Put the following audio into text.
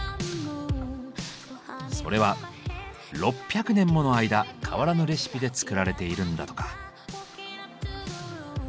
それは６００年もの間変わらぬレシピで作られているんだとか。